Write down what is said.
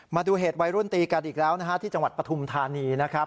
มาดูเหตุวัยรุ่นตีกันอีกแล้วนะฮะที่จังหวัดปฐุมธานีนะครับ